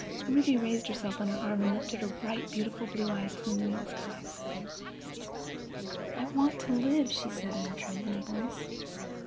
Ruby raised herself on her arm and lifted up her bright, beautiful blue eyes to the moonlit skies. "I want to live," she said, in a trembling voice.